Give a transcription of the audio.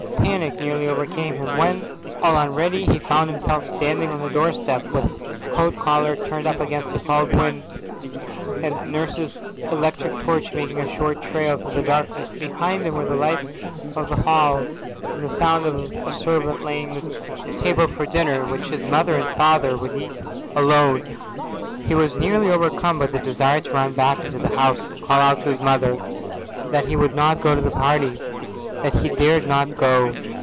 Panic nearly overcame him when, all unready, he found himself standing on the doorstep, with coat collar turned up against a cold wind, and the nurse's electric torch making a short trail through the darkness. Behind him were the lights of the hall and the sound of a servant laying the table for dinner, which his mother and father would eat alone. He was nearly overcome by the desire to run back into the house and call out to his mother that he would not go to the party, that he dared not go.